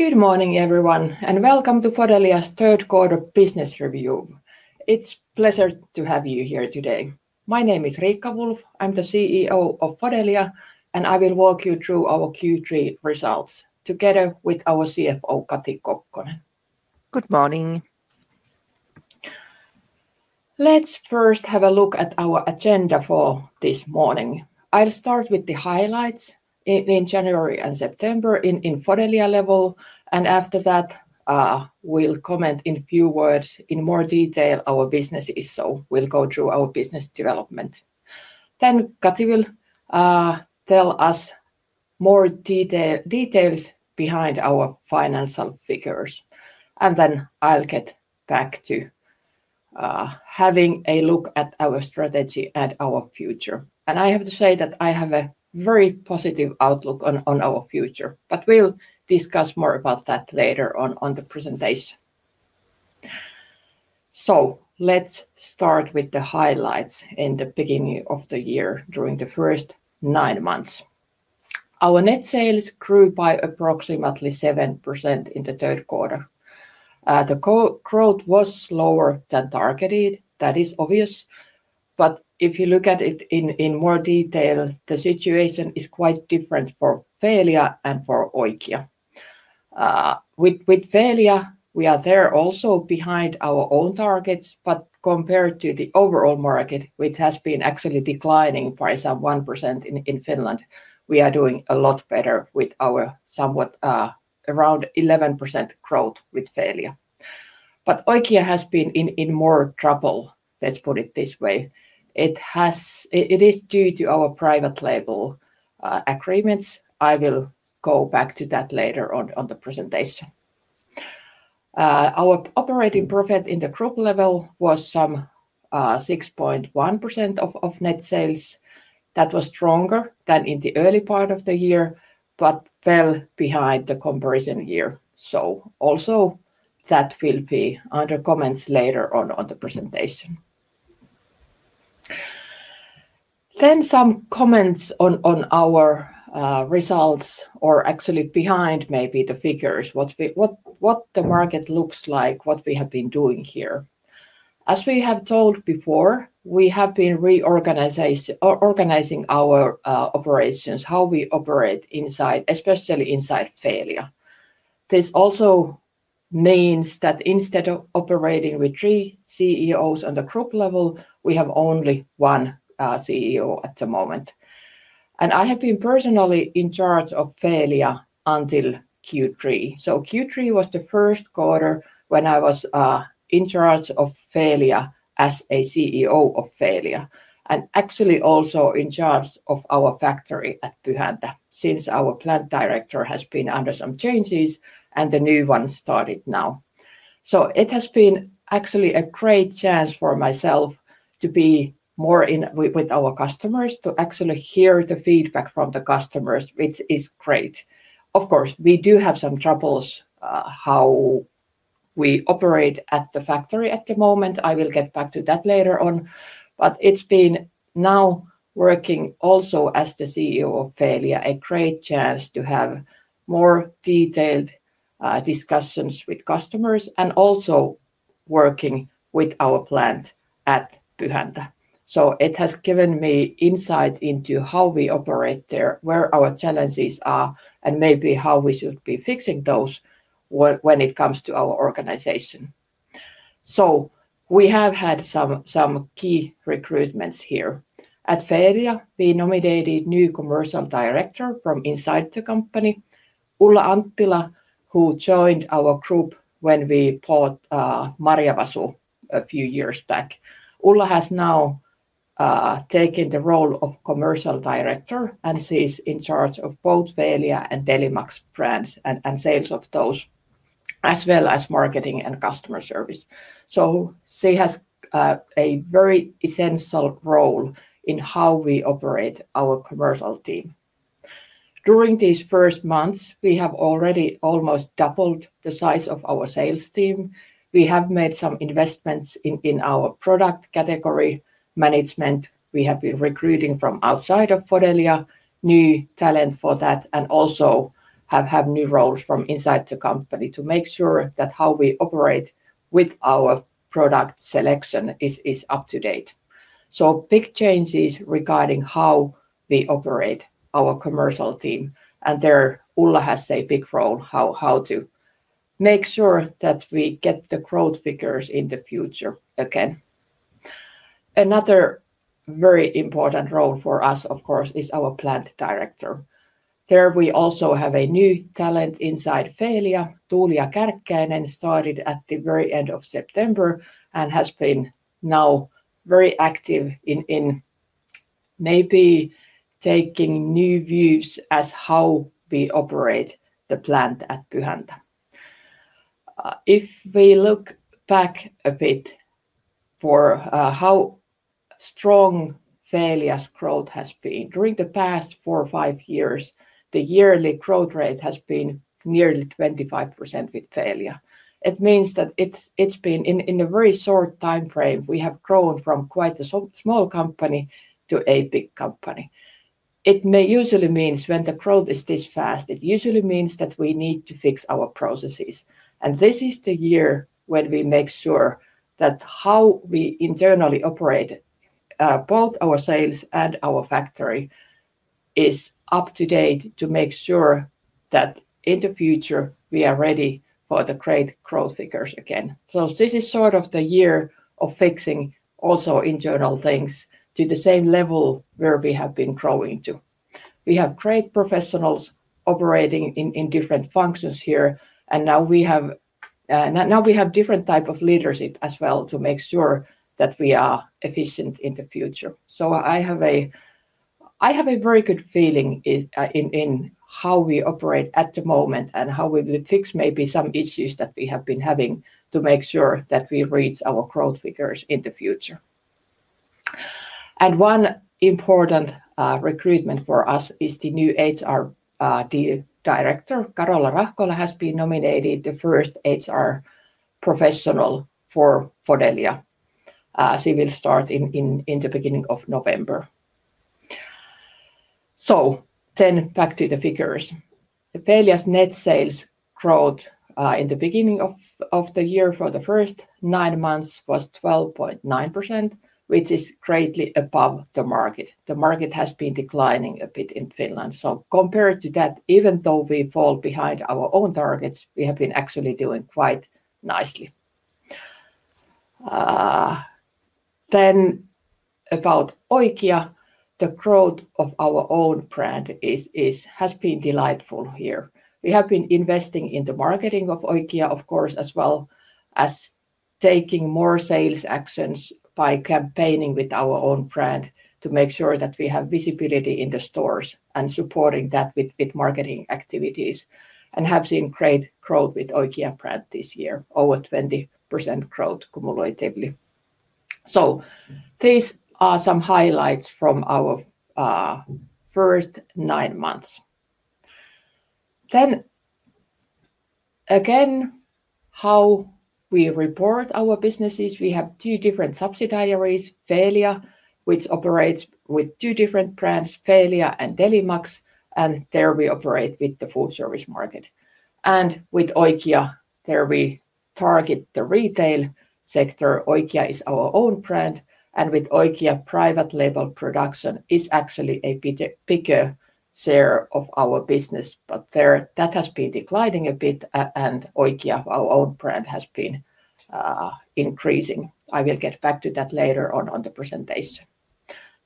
Good morning, everyone, and welcome to Fodelia's third quarter business review. It's a pleasure to have you here today. My name is Riikka Wulff. I'm the CEO of Fodelia, and I will walk you through our Q3 results together with our CFO, Kati Kokkonen. Good morning. Let's first have a look at our agenda for this morning. I'll start with the highlights in January and September at Fodelia level, and after that, we'll comment in a few words in more detail on our businesses. We'll go through our business development. Kati will tell us more details behind our financial figures, and then I'll get back to having a look at our strategy and our future. I have to say that I have a very positive outlook on our future, but we'll discuss more about that later on in the presentation. Let's start with the highlights in the beginning of the year, during the first nine months. Our net sales grew by approximately 7% in the third quarter. The growth was slower than targeted. That is obvious. If you look at it in more detail, the situation is quite different for Feelia and for Oikia. With Feelia, we are there also behind our own targets, but compared to the overall market, which has been actually declining by some 1% in Finland, we are doing a lot better with our somewhat around 11% growth with Feelia. Oikia has been in more trouble. Let's put it this way. It is due to our private label agreements. I will go back to that later on in the presentation. Our operating profit at the group level was some 6.1% of net sales. That was stronger than in the early part of the year, but fell behind the comparison year. That will be under comments later on in the presentation. Some comments on our results, or actually behind maybe the figures, what the market looks like, what we have been doing here. As we have told before, we have been reorganizing our operations, how we operate inside, especially inside Feelia. This also means that instead of operating with three CEOs at the group level, we have only one CEO at the moment. I have been personally in charge of Feelia until Q3. Q3 was the first quarter when I was in charge of Feelia as CEO of Feelia, and actually also in charge of our factory at Pyhäntä, since our Plant Director has been under some changes and the new one started now. It has been actually a great chance for myself to be more in touch with our customers, to actually hear the feedback from the customers, which is great. Of course, we do have some troubles with how we operate at the factory at the moment. I will get back to that later on. It's been now working also as the CEO of Feelia, a great chance to have more detailed discussions with customers and also working with our plant at Pyhäntä. It has given me insight into how we operate there, where our challenges are, and maybe how we should be fixing those when it comes to our organization. We have had some key recruitments here. At Feelia, we nominated a new Commercial Director from inside the company, Ulla Anttila, who joined our group when we bought Marjavasu a few years back. Ulla has now taken the role of Commercial Director and she's in charge of both Feelia and Delimax brands and sales of those, as well as marketing and customer service. She has a very essential role in how we operate our commercial team. During these first months, we have already almost doubled the size of our sales team. We have made some investments in our product category management. We have been recruiting from outside of Fodelia new talent for that and also have had new roles from inside the company to make sure that how we operate with our product selection is up to date. Big changes regarding how we operate our commercial team, and there Ulla has a big role in how to make sure that we get the growth figures in the future again. Another very important role for us, of course, is our Plant Director. There we also have a new talent inside Feelia, Tuulia Kärkkäinen, started at the very end of September and has been now very active in maybe taking new views as how we operate the plant at Pyhäntä. If we look back a bit for how strong Feelia's growth has been during the past four or five years, the yearly growth rate has been nearly 25% with Feelia. It means that it's been in a very short time frame. We have grown from quite a small company to a big company. It usually means when the growth is this fast, it usually means that we need to fix our processes. This is the year when we make sure that how we internally operate, both our sales and our factory, is up to date to make sure that in the future we are ready for the great growth figures again. This is sort of the year of fixing also internal things to the same level where we have been growing to. We have great professionals operating in different functions here, and now we have different types of leadership as well to make sure that we are efficient in the future. I have a very good feeling in how we operate at the moment and how we will fix maybe some issues that we have been having to make sure that we reach our growth figures in the future. One important recruitment for us is the new HR Director, Carola Rahkola, who has been nominated the first HR professional for Fodelia. She will start in the beginning of November. Back to the figures. Feelia's net sales growth in the beginning of the year for the first nine months was 12.9%, which is greatly above the market. The market has been declining a bit in Finland. Compared to that, even though we fall behind our own targets, we have been actually doing quite nicely. About Oikia, the growth of our own brand has been delightful here. We have been investing in the marketing of Oikia, of course, as well as taking more sales actions by campaigning with our own brand to make sure that we have visibility in the stores and supporting that with marketing activities and have seen great growth with the Oikia brand this year, over 20% growth cumulatively. These are some highlights from our first nine months. How we report our businesses: we have two different subsidiaries, Feelia, which operates with two different brands, Feelia and Delimax, and there we operate with the food service market. With Oikia, we target the retail sector. Oikia is our own brand, and with Oikia, private label production is actually a bigger share of our business, but that has been declining a bit, and Oikia, our own brand, has been increasing. I will get back to that later on in the presentation.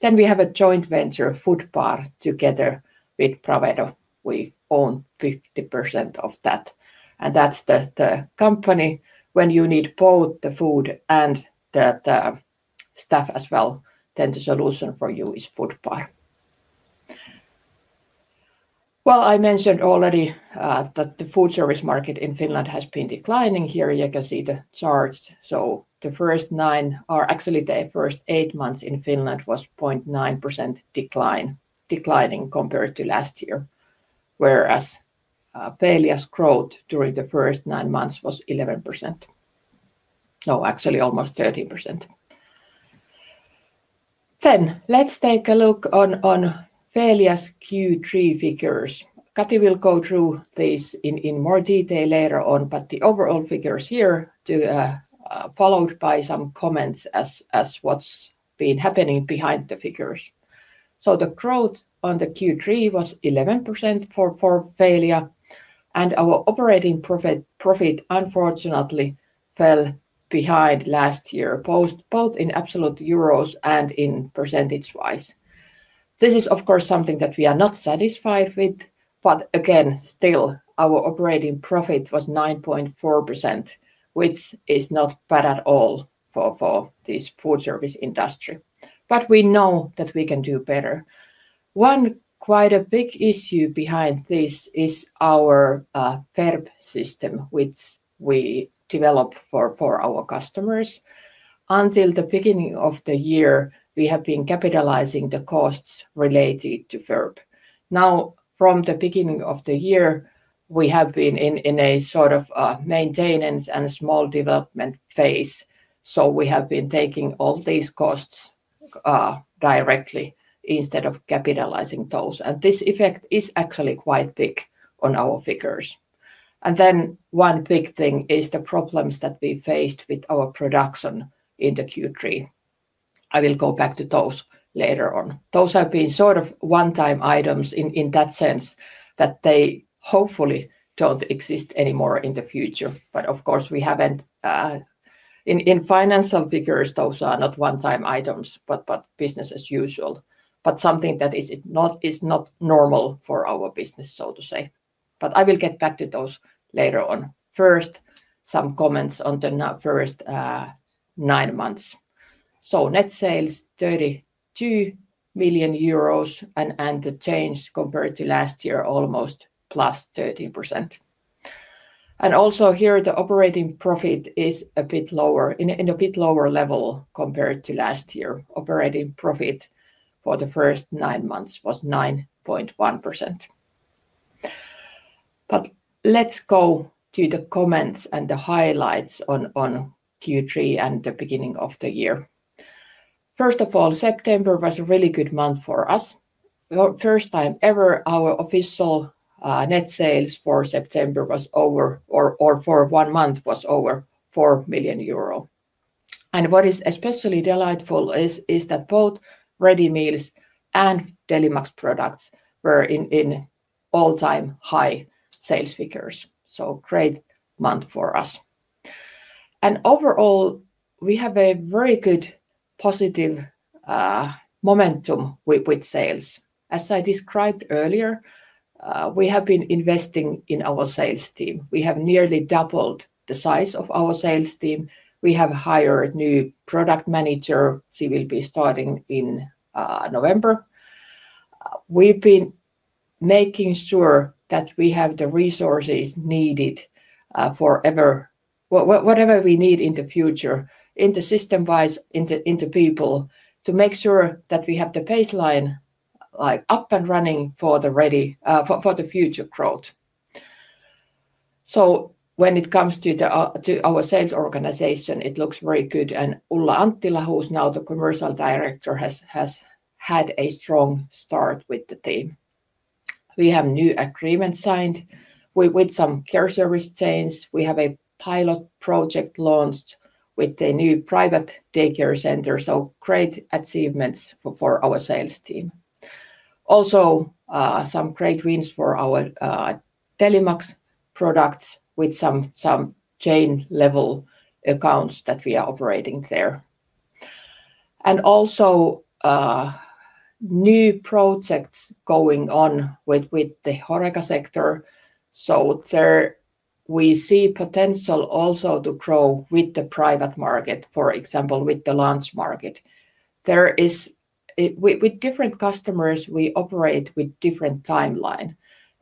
We have a joint venture, Fodbar, together with Provado. We own 50% of that. That's the company when you need both the food and the staff as well. The solution for you is Fodbar. already that the food service market in Finland has been declining. You can see the charts. The first nine are actually the first eight months in Finland, which was 0.9% declining compared to last year, whereas Feelia's growth during the first nine months was 11%. Actually, almost 30%. Let's take a look on Feelias Q3 figures. Kati will go through these in more detail later on, but the overall figures here are followed by some comments as to what's been happening behind the figures. The growth on the Q3 was 11% for Feelia, and our operating profit unfortunately fell behind last year, both in absolute euros and percentage-wise. This is, of course, something that we are not satisfied with. Still, our operating profit was 9.4%, which is not bad at all for this food service industry. We know that we can do better. One quite big issue behind this is our FERP system, which we developed for our customers. Until the beginning of the year, we have been capitalizing the costs related to FERP. Now, from the beginning of the year, we have been in a sort of maintenance and small development phase. We have been taking all these costs directly instead of capitalizing those. This effect is actually quite big on our figures. One big thing is the problems that we faced with our production in the Q3. I will go back to those later on. Those have been sort of one-time items in that sense that they hopefully don't exist anymore in the future. Of course, we haven't in financial figures, those are not one-time items, but business as usual. Something that is not normal for our business, so to say. I will get back to those later on. First, some comments on the first nine months. Net sales 32 million euros and the change compared to last year, almost +30%. Also here, the operating profit is a bit lower in a bit lower level compared to last year. Operating profit for the first nine months was 9.1%. Let's go to the comments and the highlights on Q3 and the beginning of the year. First of all, September was a really good month for us. The first time ever our official net sales for September was over, or for one month was over 4 million euro. What is especially delightful is that both Ready Meals and Delimax products were in all-time high sales figures. Great month for us. Overall, we have a very good positive momentum with sales. As I described earlier, we have been investing in our sales team. We have nearly doubled the size of our sales team. We have hired a new product manager. She will be starting in November. We've been making sure that we have the resources needed for whatever we need in the future, in the system-wise, in the people, to make sure that we have the baseline up and running for the future growth. When it comes to our sales organization, it looks very good. Ulla Anttila, who is now the Commercial Director, has had a strong start with the team. We have new agreements signed with some care service chains. We have a pilot project launched with a new private daycare center. Great achievements for our sales team. Also, some great wins for our Delimax products with some chain-level accounts that we are operating there. There are also new projects going on with the HoReCa sector. We see potential also to grow with the private market, for example, with the lunch market. With different customers, we operate with different timelines,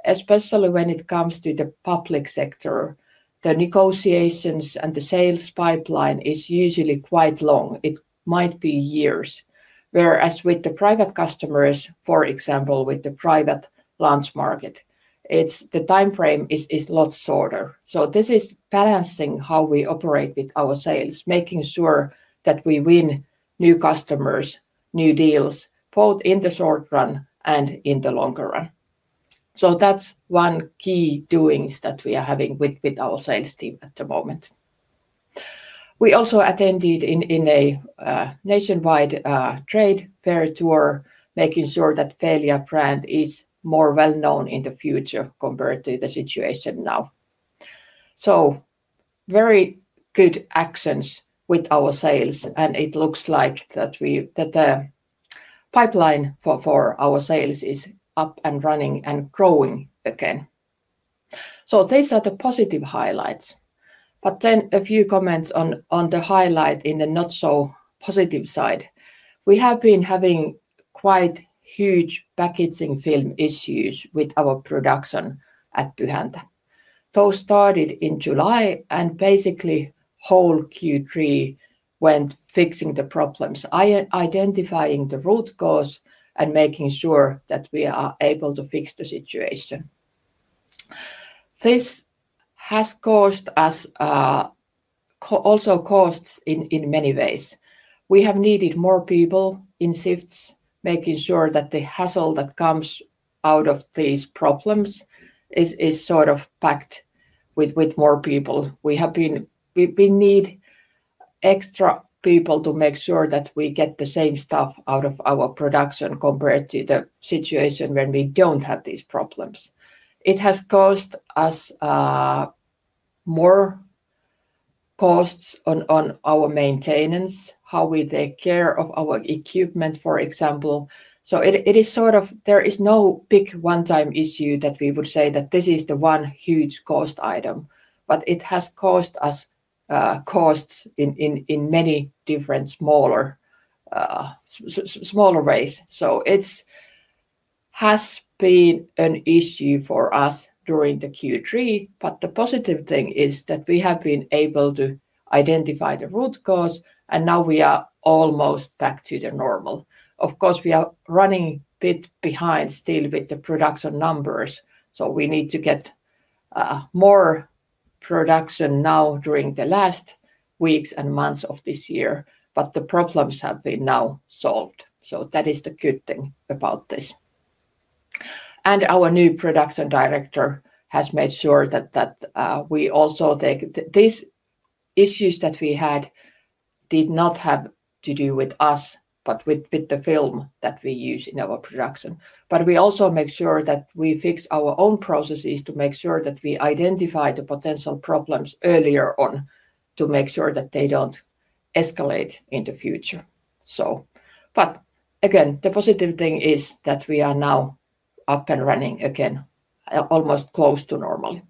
especially when it comes to the public sector. The negotiations and the sales pipeline are usually quite long. It might be years. Whereas with the private customers, for example, with the private lunch market, the timeframe is a lot shorter. This is balancing how we operate with our sales, making sure that we win new customers, new deals, both in the short run and in the longer run. That's one key doing that we are having with our sales team at the moment. We also attended a nationwide trade fair tour, making sure that the Fedelia brand is more well-known in the future compared to the situation now. Very good actions with our sales, and it looks like the pipeline for our sales is up and running and growing again. These are the positive highlights. A few comments on the highlight in the not-so-positive side. We have been having quite huge packaging film issues with our production at Pyhäntä. Those started in July, and basically the whole Q3 went fixing the problems, identifying the root cause, and making sure that we are able to fix the situation. This has also caused in many ways. We have needed more people in shifts, making sure that the hassle that comes out of these problems is sort of packed with more people. We need extra people to make sure that we get the same stuff out of our production compared to the situation when we don't have these problems. It has caused us more costs on our maintenance, how we take care of our equipment, for example. There is no big one-time issue that we would say that this is the one huge cost item, but it has caused us costs in many different smaller ways. It has been an issue for us during Q3, but the positive thing is that we have been able to identify the root cause, and now we are almost back to normal. Of course, we are running a bit behind still with the production numbers. We need to get more production now during the last weeks and months of this year. The problems have been now solved, which is the good thing about this. Our new Production Director has made sure that we also take these issues that we had did not have to do with us, but with the film that we use in our production. We also make sure that we fix our own processes to make sure that we identify the potential problems earlier on to make sure that they don't escalate in the future. The positive thing is that we are now up and running again, almost close to normal.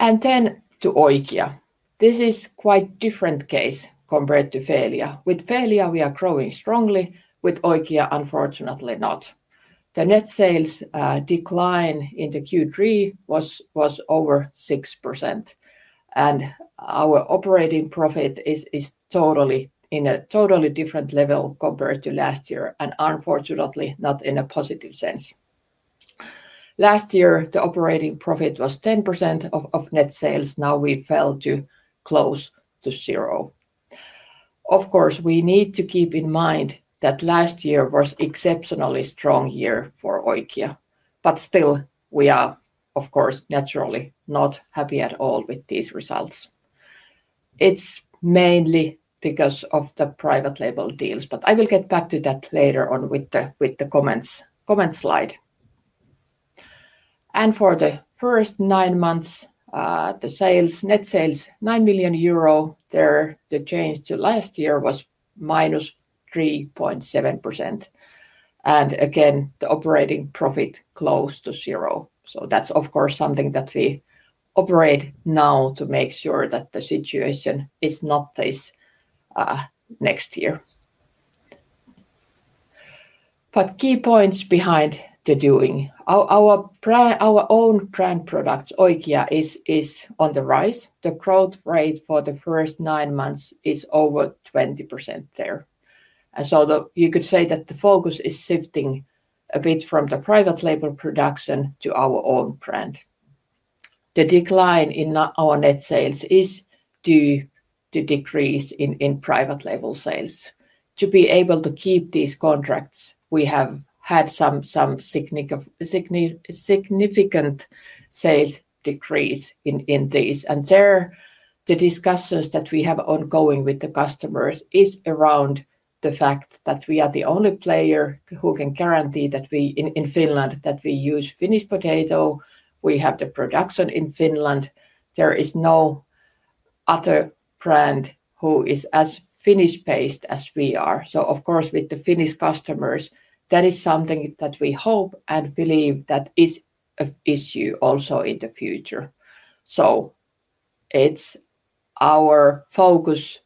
Then to Oikia. This is a quite different case compared to Feelia. With Feelia, we are growing strongly. With Oikia, unfortunately not. The net sales decline in Q3 was over 6%. Our operating profit is totally in a totally different level compared to last year, and unfortunately not in a positive sense. Last year, the operating profit was 10% of net sales. Now we fell to close to zero. Of course, we need to keep in mind that last year was an exceptionally strong year for Oikia. Still, we are, of course, naturally not happy at all with these results. It's mainly because of the private label deals, but I will get back to that later on with the comments slide. For the first nine months, the net sales 9 million euro, the change to last year was -3.7%. Again, the operating profit closed to zero. That's of course something that we operate now to make sure that the situation is not this next year. Key points behind the doing. Our own brand products, Oikia, is on the rise. The growth rate for the first nine months is over 20% there. You could say that the focus is shifting a bit from the private label production to our own brand. The decline in our net sales is due to a decrease in private label sales. To be able to keep these contracts, we have had some significant sales decrease in these. The discussions that we have ongoing with the customers are around the fact that we are the only player who can guarantee that in Finland that we use Finnish potato. We have the production in Finland. There is no other brand who is as Finnish-based as we are. With the Finnish customers, that is something that we hope and believe that is an issue also in the future. It's our focus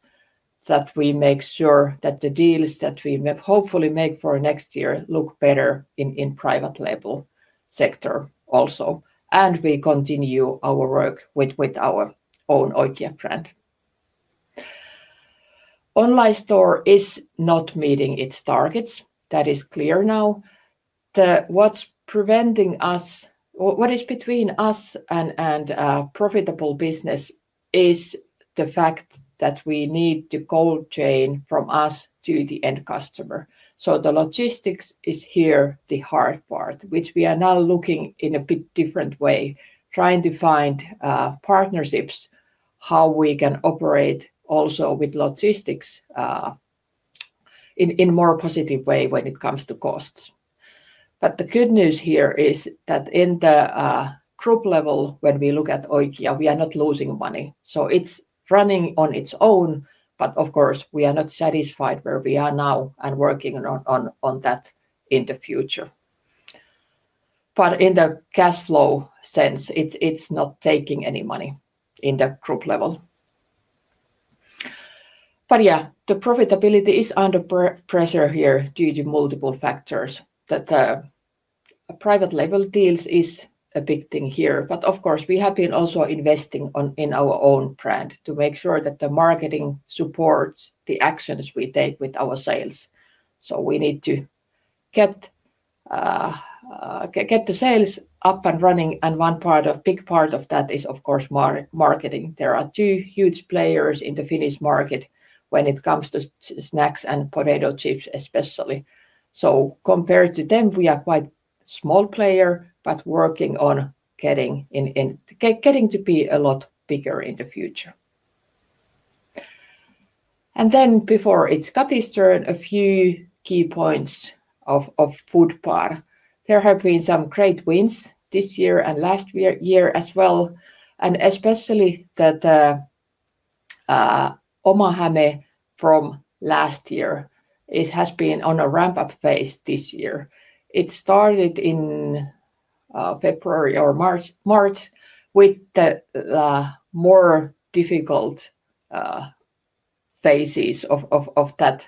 that we make sure that the deals that we hopefully make for next year look better in the private label sector also. We continue our work with our own Oikia brand. Online store is not meeting its targets. That is clear now. What's preventing us, what is between us and a profitable business is the fact that we need the cold chain from us to the end customer. The logistics is here the hard part, which we are now looking in a bit different way, trying to find partnerships, how we can operate also with logistics in a more positive way when it comes to costs. The good news here is that at the group level, when we look at Oikia, we are not losing money. It's running on its own, but of course, we are not satisfied where we are now and working on that in the future. In the cash flow sense, it's not taking any money at the group level. The profitability is under pressure here due to multiple factors. The private label deals are a big thing here. We have been also investing in our own brand to make sure that the marketing supports the actions we take with our sales. We need to get the sales up and running. One big part of that is, of course, marketing. There are two huge players in the Finnish market when it comes to snacks and potato chips, especially. Compared to them, we are quite a small player, but working on getting to be a lot bigger in the future. Before it's Kati's turn, a few key points of Foodpar. There have been some great wins this year and last year as well. Especially that Oma Hämeen from last year, it has been on a ramp-up phase this year. It started in February or March, with the more difficult phases of that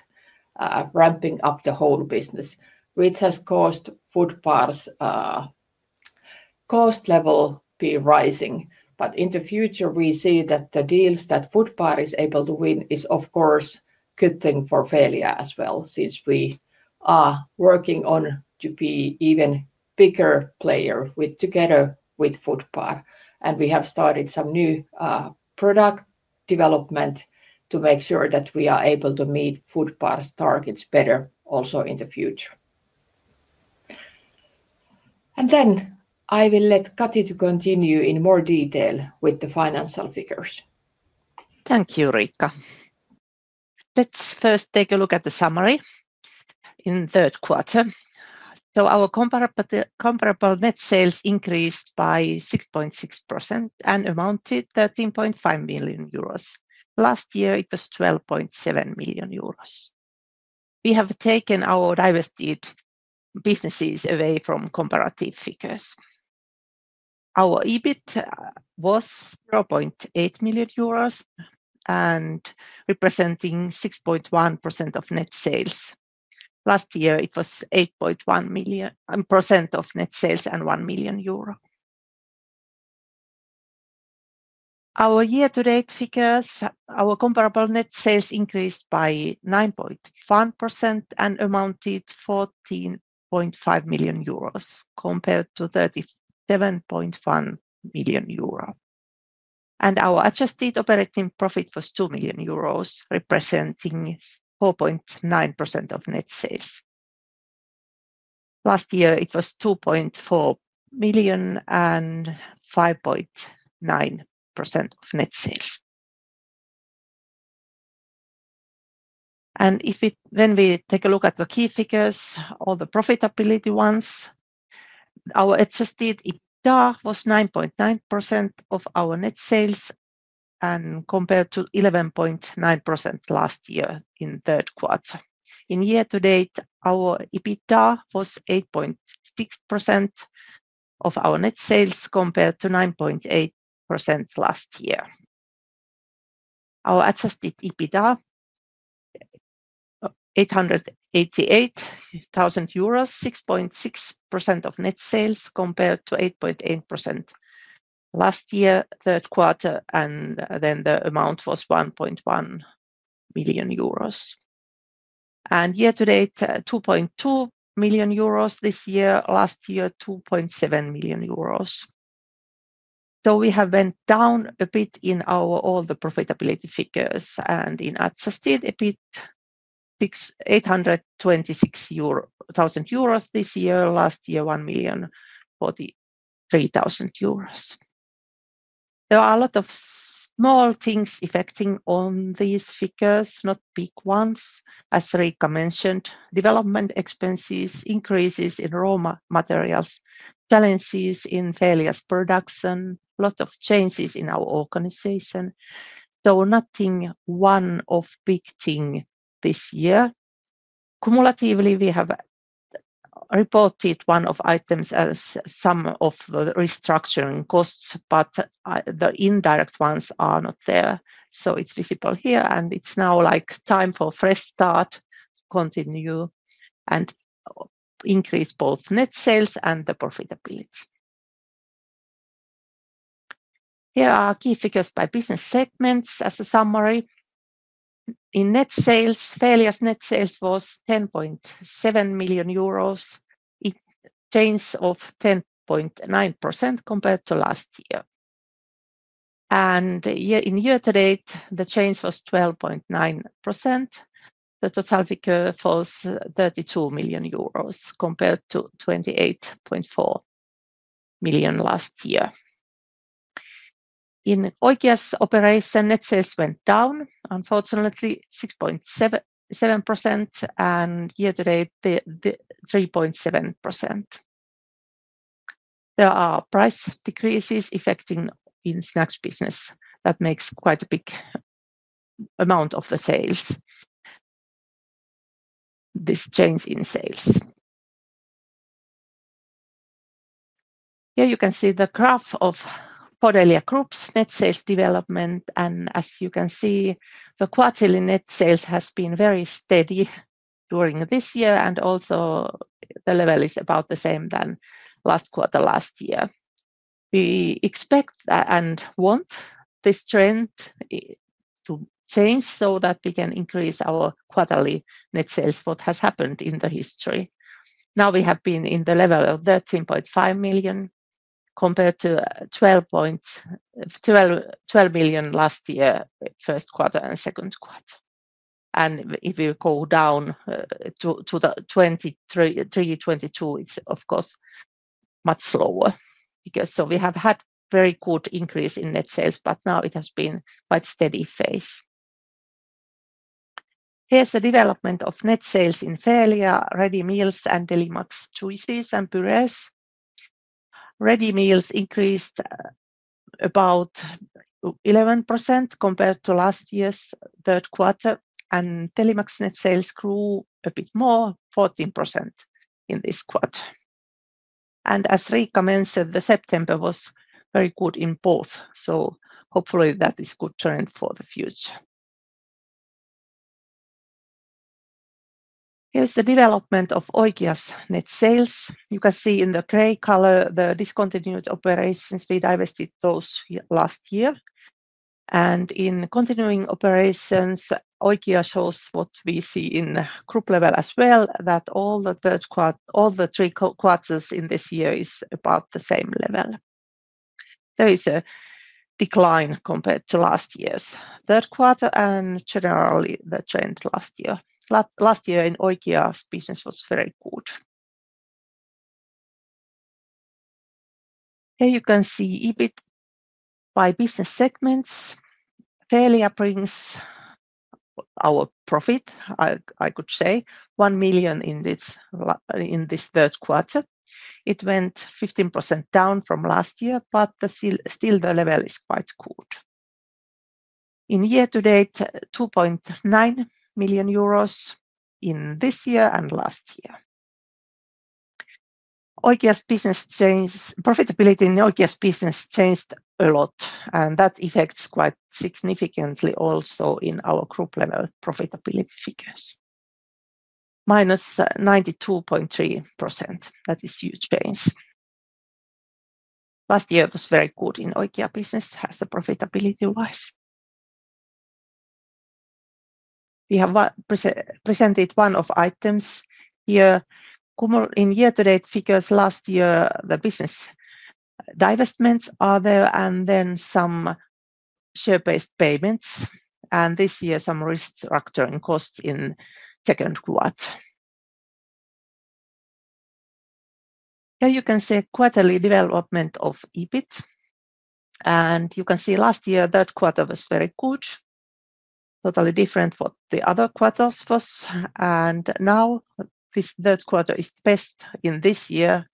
ramping up the whole business, which has caused Fodbar's cost level to be rising. In the future, we see that the deals that Fodbar is able to win are, of course, a good thing for Feelia as well, since we are working on to be an even bigger player together with Fodbar. We have started some new product development to make sure that we are able to meet Fodbar's targets better also in the future. I will let Kati continue in more detail with the financial figures. Thank you, Riikka. Let's first take a look at the summary in the third quarter. Our comparable net sales increased by 6.6% and amounted to 13.5 million euros. Last year, it was 12.7 million euros. We have taken our divested businesses away from comparative figures. Our EBIT was 0.8 million euros, representing 6.1% of net sales. Last year, it was 8.1% of net sales and 1 million euro. Our year-to-date figures, our comparable net sales increased by 9.1% and amounted to 14.5 million euros compared to 37.1 million euro. Our adjusted operating profit was 2 million euros, representing 4.9% of net sales. Last year, it was 2.4 million and 5.9% of net sales. When we take a look at the key figures, all the profitability ones, our adjusted EBITDA was 9.9% of our net sales compared to 11.9% last year in the third quarter. In year-to-date, our EBITDA was 8.6% of our net sales compared to 9.8% last year. Our adjusted EBITDA was 888,000 euros, 6.6% of net sales compared to 8.8% last year, third quarter, and then the amount was 1.1 million euros. Year-to-date, 2.2 million euros this year. Last year, 2.7 million euros. We have went down a bit in all the profitability figures and in adjusted EBIT, 826,000 euros this year. Last year, 1 million. There are a lot of small things affecting these figures, not big ones, as Riikka mentioned. Development expenses, increases in raw materials, challenges in Feelia's production, a lot of changes in our organization. Nothing one of big things this year. Cumulatively, we have reported one of items as some of the restructuring costs, but the indirect ones are not there. It's visible here, and it's now time for a fresh start, continue and increase both net sales and the profitability. Here are key figures by business segments as a summary. In net sales, Feelia's net sales was 10.7 million euros, change of 10.9% compared to last year. In year-to-date, the change was 12.9%. The total figure falls 32 million compared to 28.4 million last year. In Oikia's operation, net sales went down, unfortunately, 6.7% and year-to-date, 3.7%. There are price decreases affecting the snacks business. That makes quite a big amount of the sales, this change in sales. Here you can see the graph of Fodelia Group's net sales development. As you can see, the quarterly net sales have been very steady during this year, and also the level is about the same as last quarter last year. We expect and want this trend to change so that we can increase our quarterly net sales, what has happened in the history. Now we have been in the level of 13.5 million compared to 12 million last year, first quarter and second quarter. If you go down to 23.22, it's of course much slower. Because we have had a very good increase in net sales, but now it has been quite a steady phase. Here's the development of net sales in Feelia, Ready Meals, and Delimax cheeses and purees. Ready Meals increased about 11% compared to last year's third quarter, and Delimax net sales grew a bit more, 14% in this quarter. As Riikka mentioned, September was very good in both. Hopefully that is a good trend for the future. Here's the development of Oikia's net sales. You can see in the gray color the discontinued operations. We divested those last year. In continuing operations, Oikia shows what we see in the group level as well, that all the third quarter, all the three quarters in this year are about the same level. There is a decline compared to last year's third quarter and generally the trend last year. Last year in Oikia's business was very good. Here you can see EBIT by business segments. Fedelia brings our profit, I could say, 1 million in this third quarter. It went 15% down from last year, but still the level is quite good. In year-to-date, 2.9 million euros in this year and last year. Oikia's business changed, profitability in Oikia's business changed a lot, and that affects quite significantly also in our group level profitability figures. -92.3%, that is a huge change. Last year very good in Oikia's business as a profitability-wise. We have presented one of the items here. In year-to-date figures last year, the business divestments are there, and then some share-based payments. This year, some restructuring costs in the second quarter. Here you can see a quarterly development of EBIT. You can see last year, third quarter was very good. Totally different from what the other quarters were. Now this third quarter is best in this year.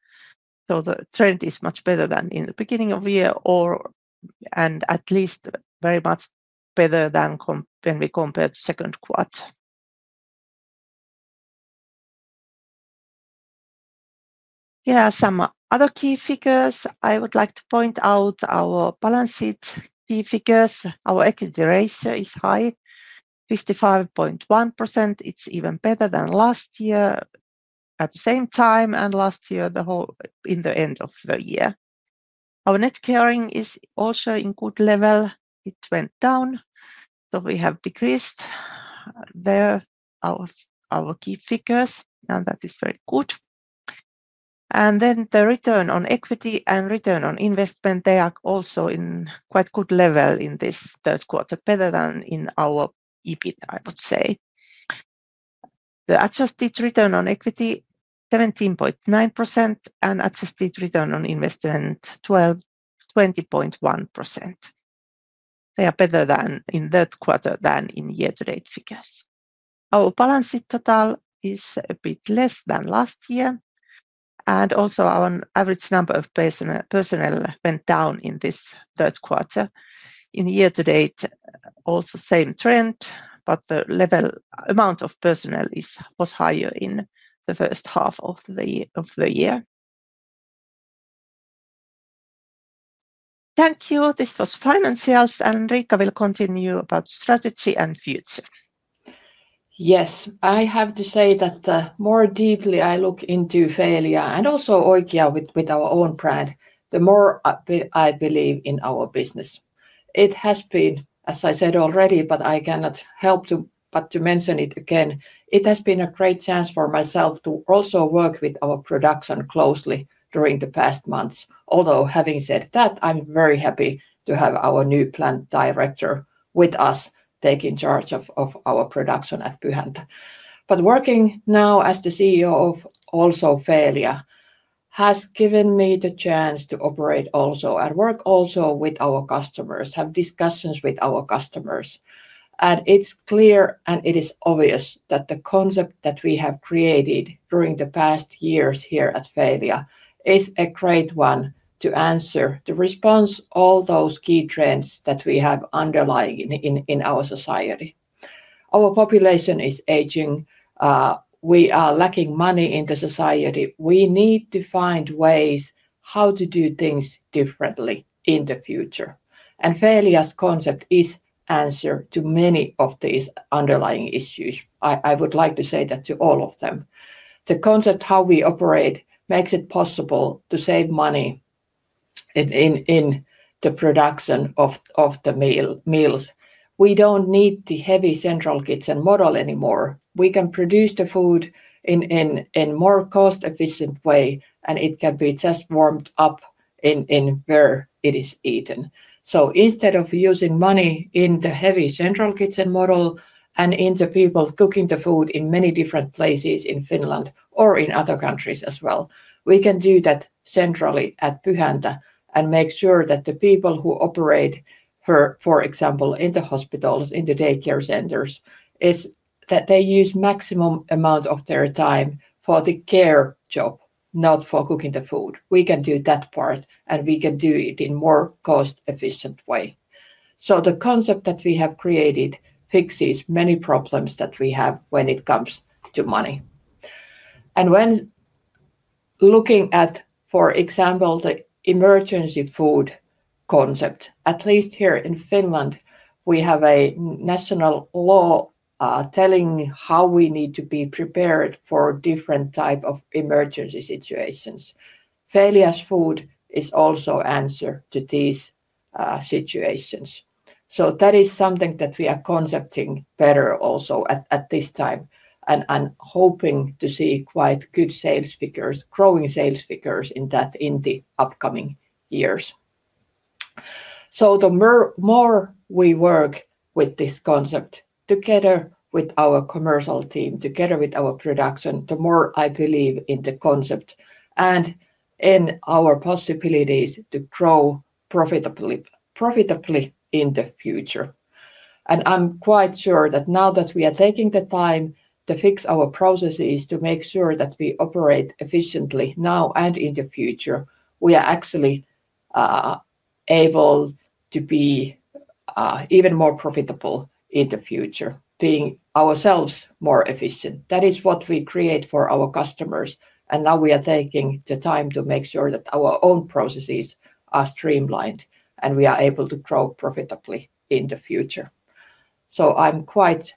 The trend is much better than in the beginning of the year, or at least very much better than when we compared the second quarter. Here are some other key figures I would like to point out. Our balance sheet key figures, our equity ratio is high, 55.1%. It's even better than last year at the same time, and last year in the end of the year. Our net carrying is also in good level. It went down. We have decreased there, our key figures. That is very good. The return on equity and return on investment, they are also in quite good level in this third quarter, better than in our EBIT, I would say. The adjusted return on equity, 17.9%, and adjusted return on investment, 20.1%. They are better than in the third quarter than in year-to-date figures. Our balance sheet total is a bit less than last year. Also, our average number of personnel went down in this third quarter. In year-to-date, also same trend, but the level amount of personnel was higher in the first half of the year. Thank you. This was financials, and Riikka will continue about strategy and future. Yes, I have to say that the more deeply I look into Feelia and also Oikia with our own brand, the more I believe in our business. It has been, as I said already, but I cannot help but to mention it again, it has been a great chance for myself to also work with our production closely during the past months. Although having said that, I'm very happy to have our new Plant Director with us taking charge of our production at Pyhäntä. Working now as the CEO of also Feelia has given me the chance to operate also and work also with our customers, have discussions with our customers. It's clear and it is obvious that the concept that we have created during the past years here at Fedelia is a great one to answer, to respond to all those key trends that we have underlying in our society. Our population is aging. We are lacking money in the society. We need to find ways how to do things differently in the future. Feelia's concept is the answer to many of these underlying issues. I would like to say that to all of them. The concept of how we operate makes it possible to save money in the production of the meals. We don't need the heavy central kitchen model anymore. We can produce the food in a more cost-efficient way, and it can be just warmed up in where it is eaten. Instead of using money in the heavy central kitchen model and in the people cooking the food in many different places in Finland or in other countries as well, we can do that centrally at Pyhäntä and make sure that the people who operate, for example, in the hospitals, in the daycare centers, is that they use the maximum amount of their time for the care job, not for cooking the food. We can do that part, and we can do it in a more cost-efficient way. The concept that we have created fixes many problems that we have when it comes to money. When looking at, for example, the emergency food concept, at least here in Finland, we have a national law telling how we need to be prepared for different types of emergency situations. Feelia's food is also an answer to these situations. That is something that we are concepting better also at this time and hoping to see quite good sales figures, growing sales figures in that in the upcoming years. The more we work with this concept together with our commercial team, together with our production, the more I believe in the concept and in our possibilities to grow profitably in the future. I'm quite sure that now that we are taking the time to fix our processes to make sure that we operate efficiently now and in the future, we are actually able to be even more profitable in the future, being ourselves more efficient. That is what we create for our customers. Now we are taking the time to make sure that our own processes are streamlined and we are able to grow profitably in the future. I'm quite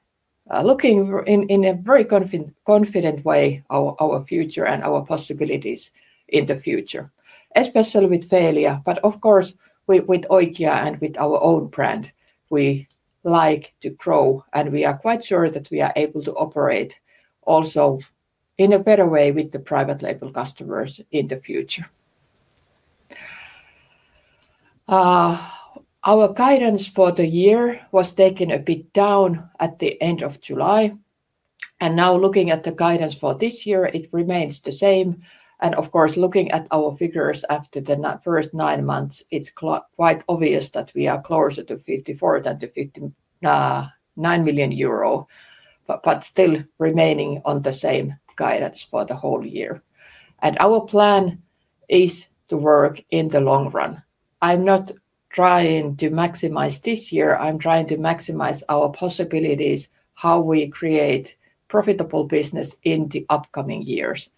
looking in a very confident way at our future and our possibilities in the future, especially with Feelia, but of course with Oikia and with our own brand. We like to grow, and we are quite sure that we are able to operate also in a better way with the private label customers in the future. Our guidance for the year was taken a bit down at the end of July. Now looking at the guidance for this year, it remains the same. Of course, looking at our figures after the first nine months, it's quite obvious that we are closer to 54 million euro, but still remaining on the same guidance for the whole year. Our plan is to work in the long run. I'm not trying to maximize this year. I'm trying to maximize our possibilities, how we create profitable business in the upcoming years.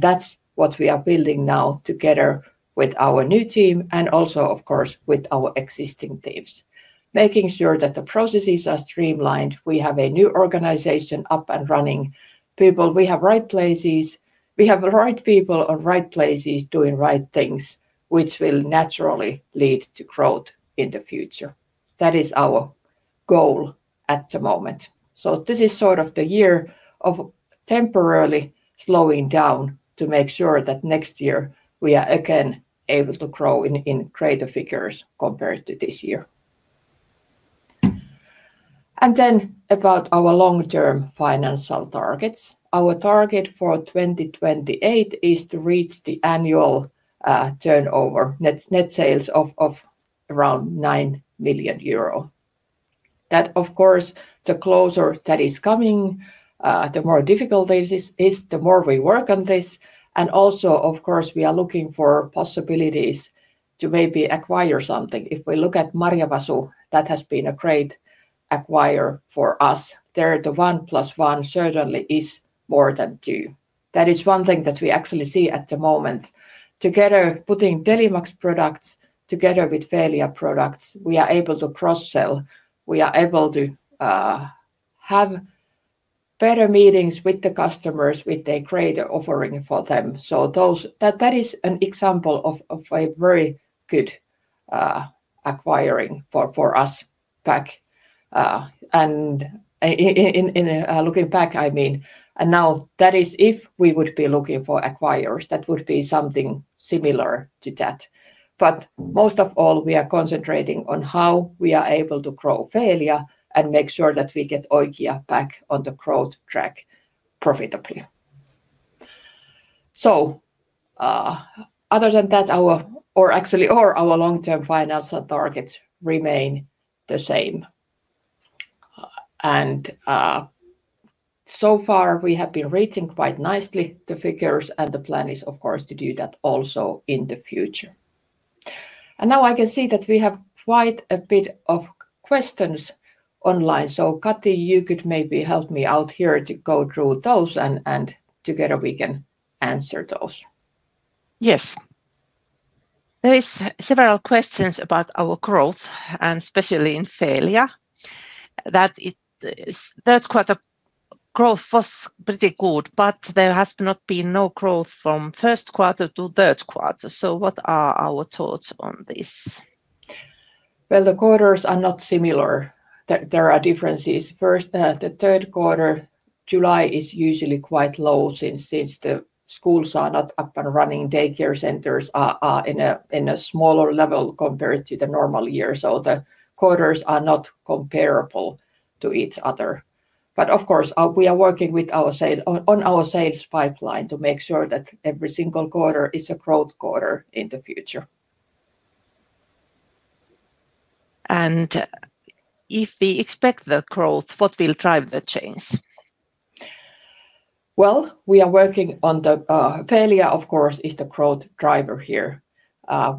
That's what we are building now together with our new team and also, of course, with our existing teams, making sure that the processes are streamlined. We have a new organization up and running. We have the right places. We have the right people in the right places doing the right things, which will naturally lead to growth in the future. That is our goal at the moment. This is sort of the year of temporarily slowing down to make sure that next year we are again able to grow in greater figures compared to this year. About our long-term financial targets, our target for 2028 is to reach the annual turnover, net sales of around 9 million euro. That, of course, the closer that is coming, the more difficult it is, the more we work on this. Also, of course, we are looking for possibilities to maybe acquire something. If we look at Marjavasu, that has been a great acquirer for us. There, the one plus one certainly is more than two. That is one thing that we actually see at the moment. Together, putting Delimax products together with Feelia products, we are able to cross-sell. We are able to have better meetings with the customers with a greater offering for them. That is an example of a very good acquiring for us back. Looking back, I mean, and now that is if we would be looking for acquirers, that would be something similar to that. Most of all, we are concentrating on how we are able to grow Feelia and make sure that we get Oikia back on the growth track profitably. Other than that, our long-term financial targets remain the same. So far, we have been rating quite nicely the figures, and the plan is, of course, to do that also in the future. Now I can see that we have quite a bit of questions online. Kati, you could maybe help me out here to go through those, and together we can answer those. Yes. There are several questions about our growth, and especially in Feelia, that the third quarter growth was pretty good, but there has not been no growth from the first quarter to the third quarter. What are our thoughts on this? The quarters are not similar. There are differences. First, the third quarter, July is usually quite low since the schools are not up and running. Daycare centers are in a smaller level compared to the normal year. The quarters are not comparable to each other. Of course, we are working on our sales pipeline to make sure that every single quarter is a growth quarter in the future. If we expect the growth, what will drive the change? We are working on the Feelia, of course, is the growth driver here.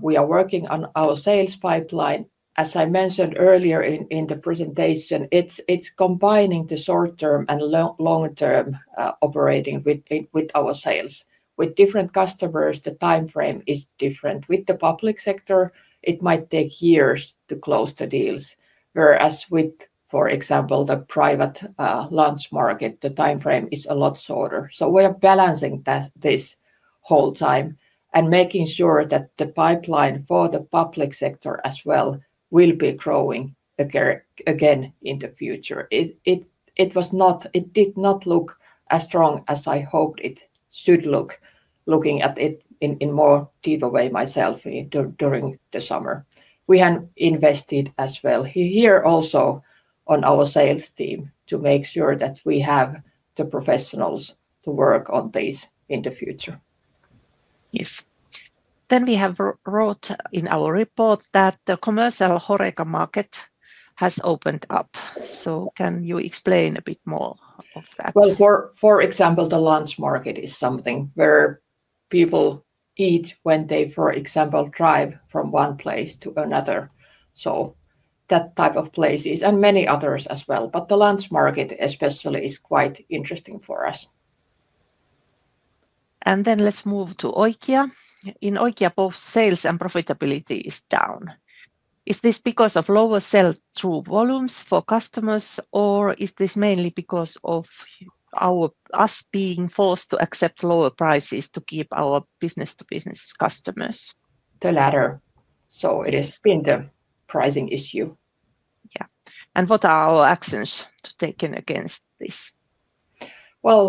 We are working on our sales pipeline. As I mentioned earlier in the presentation, it's combining the short-term and long-term operating with our sales. With different customers, the timeframe is different. With the public sector, it might take years to close the deals, whereas with, for example, the private lunch market, the timeframe is a lot shorter. We are balancing this whole time and making sure that the pipeline for the public sector as well will be growing again in the future. It did not look as strong as I hoped it should look, looking at it in a more deeper way myself during the summer. We have invested as well here also in our sales team to make sure that we have the professionals to work on this in the future. Yes. We have wrote in our report that the commercial HoReCa market has opened up. Can you explain a bit more of that? For example, the lunch market is something where people eat when they, for example, drive from one place to another. That type of place is, and many others as well, but the lunch market especially is quite interesting for us. Let's move to Oikia. In Oikia, both sales and profitability are down. Is this because of lower sale through volumes for customers, or is this mainly because of us being forced to accept lower prices to keep our business-to-business customers? The latter. It has been the pricing issue. Yeah. What are our actions taken against this?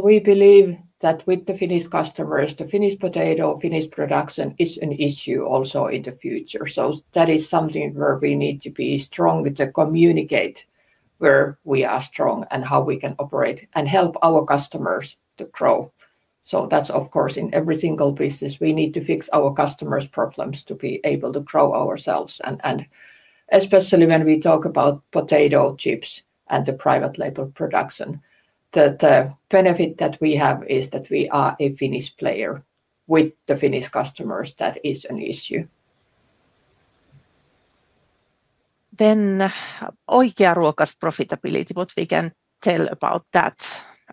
We believe that with the Finnish customers, the Finnish potato, Finnish production is an issue also in the future. That is something where we need to be strong to communicate where we are strong and how we can operate and help our customers to grow. That's of course in every single business. We need to fix our customers' problems to be able to grow ourselves. Especially when we talk about potato chips and the private label production, the benefit that we have is that we are a Finnish player. With the Finnish customers, that is an issue. Oikia Ruoka's profitability, what we can tell about that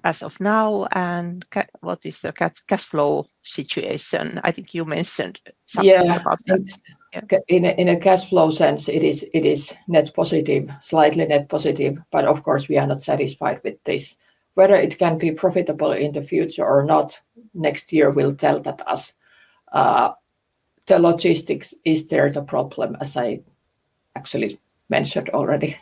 as of now, and what is the cash flow situation? I think you mentioned something about that. Yeah, in a cash flow sense, it is net positive, slightly net positive, but of course we are not satisfied with this. Whether it can be profitable in the future or not next year will tell us. The logistics is there the problem, as I actually mentioned already.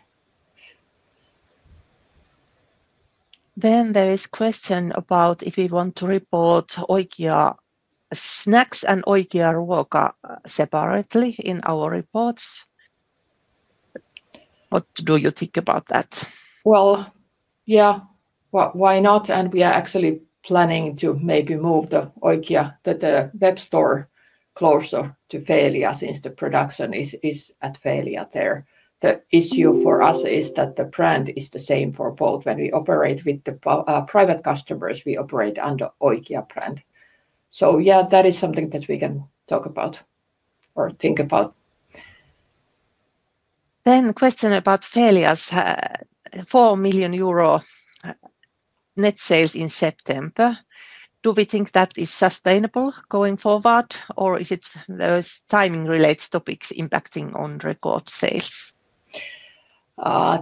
There is a question about if we want to report Oikia snacks and Oikia Ruoka separately in our reports. What do you think about that? Yeah, why not? We are actually planning to maybe move the Oikia, the web store, closer to Feelia since the production is at Feelia there. The issue for us is that the brand is the same for both. When we operate with the private customers, we operate under Oikia brand. Yeah, that is something that we can talk about or think about. A question about Feelia's 4 million euro net sales in September. Do we think that is sustainable going forward, or is it those timing-related topics impacting on record sales?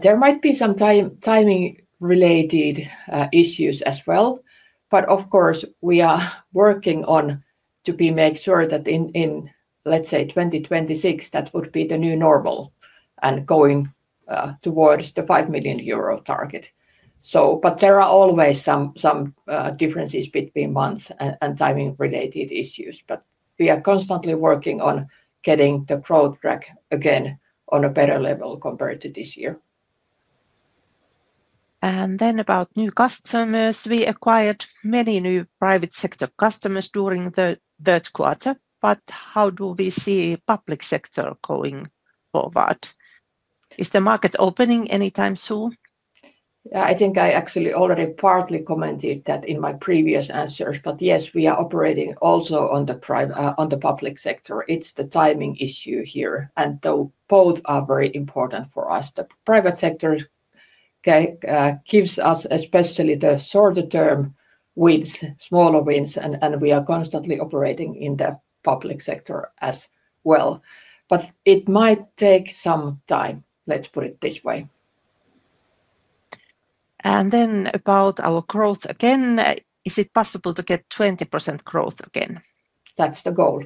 There might be some timing-related issues as well. Of course, we are working to make sure that in, let's say, 2026, that would be the new normal and going towards the 5 million euro target. There are always some differences between months and timing-related issues. We are constantly working on getting the growth track again on a better level compared to this year. About new customers, we acquired many new private sector customers during the third quarter. How do we see the public sector going forward? Is the market opening anytime soon? I think I actually already partly commented that in my previous answers. Yes, we are operating also on the public sector. It's the timing issue here. Both are very important for us. The private sector gives us especially the shorter-term wins, smaller wins, and we are constantly operating in the public sector as well. It might take some time. Let's put it this way. About our growth again, is it possible to get 20% growth again? That's the goal.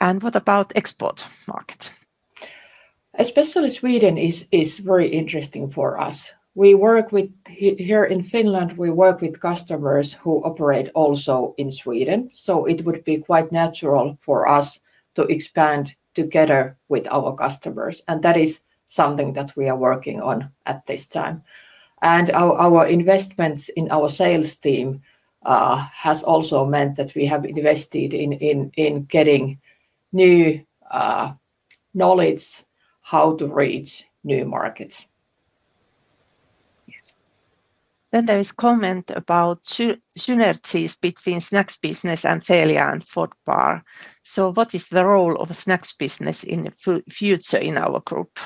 What about the export market? Especially Sweden is very interesting for us. We work with, here in Finland, we work with customers who operate also in Sweden. It would be quite natural for us to expand together with our customers. That is something that we are working on at this time. Our investments in our sales team have also meant that we have invested in getting new knowledge on how to reach new markets. There is a comment about synergies between snacks business and Feelia and Foodbar. What is the role of the snacks business in the future in our group?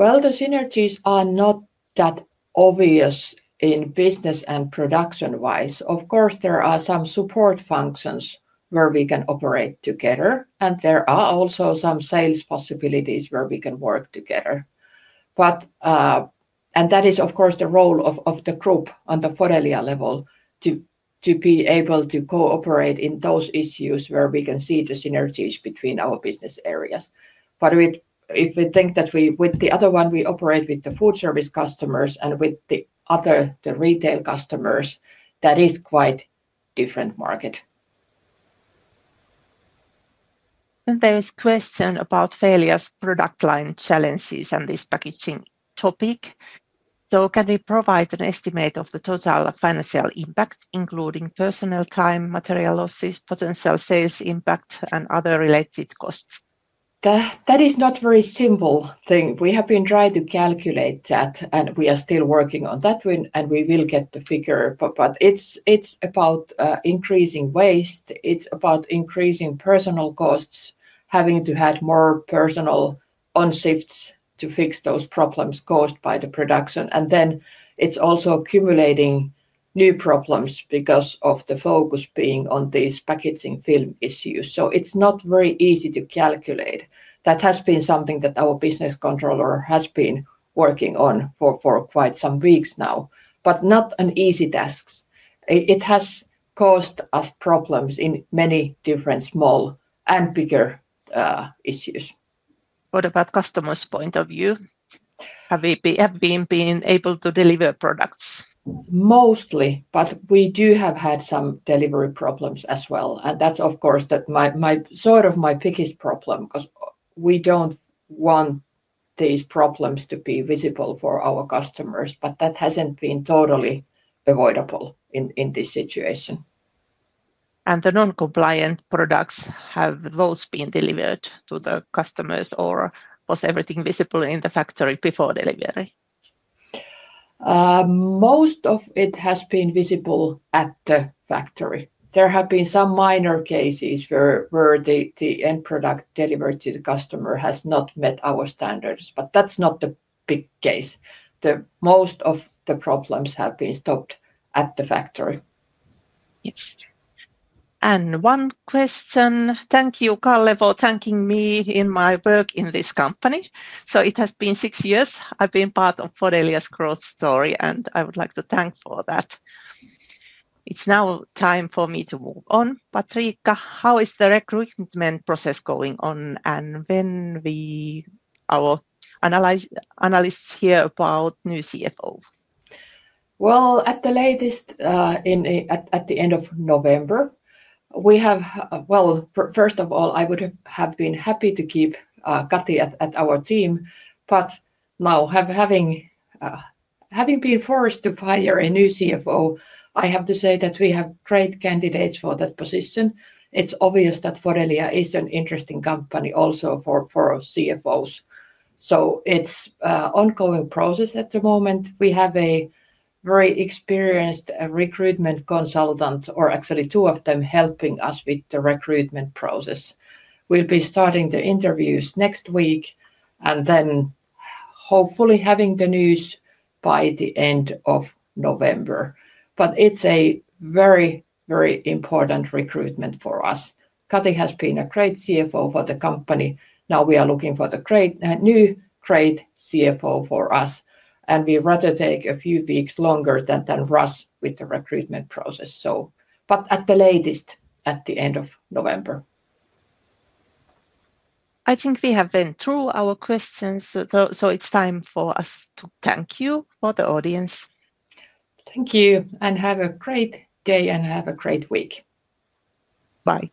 The synergies are not that obvious in business and production-wise. Of course, there are some support functions where we can operate together. There are also some sales possibilities where we can work together. That is, of course, the role of the group on the Fodelia level to be able to cooperate in those issues where we can see the synergies between our business areas. If we think that with the other one, we operate with the food service customers and with the other, the retail customers, that is quite a different market. There is a question about Feelia's product line challenges and this packaging topic. Can we provide an estimate of the total financial impact, including personnel, time, material losses, potential sales impact, and other related costs? That is not a very simple thing. We have been trying to calculate that, and we are still working on that, and we will get the figure. It's about increasing waste. It's about increasing personnel costs, having to have more personnel on shifts to fix those problems caused by the production. It's also accumulating new problems because of the focus being on these packaging film issues. It's not very easy to calculate. That has been something that our Business Controller has been working on for quite some weeks now, but not an easy task. It has caused us problems in many different small and bigger issues. What about the customers' point of view? Have we been able to deliver products? Mostly, but we have had some delivery problems as well. That's, of course, my biggest problem because we don't want these problems to be visible for our customers. That hasn't been totally avoidable in this situation. The non-compliant products, have those been delivered to the customers, or was everything visible in the factory before delivery? Most of it has been visible at the factory. There have been some minor cases where the end product delivered to the customer has not met our standards, but that's not the big case. Most of the problems have been stopped at the factory. Thank you, Kalle, for thanking me in my work in this company. It has been six years I've been part of Fodelia's growth story, and I would like to thank you for that. It's now time for me to move on. Riikka, how is the recruitment process going on, and when will our analysts hear about the new CFO? At the latest, at the end of November, we have, first of all, I would have been happy to keep Kati at our team. Now, having been forced to hire a new CFO, I have to say that we have great candidates for that position. It's obvious that Fodelia is an interesting company also for CFOs. It's an ongoing process at the moment. We have a very experienced recruitment consultant, or actually two of them, helping us with the recruitment process. We'll be starting the interviews next week and then hopefully having the news by the end of November. It's a very, very important recruitment for us. Kati has been a great CFO for the company. Now we are looking for a new great CFO for us. We'd rather take a few weeks longer with the recruitment process. At the latest, at the end of November. I think we have been through our questions. It's time for us to thank you for the audience. Thank you and have a great day and have a great week. Bye.